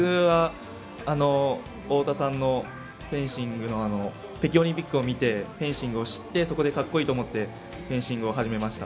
太田さんのフェンシングの北京オリンピックを見てそこで格好いいと思ってフェンシングを始めました。